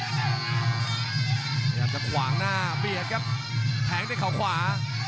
พยายามจะขวางหน้าเบียดครับแทงด้วยเขาขวา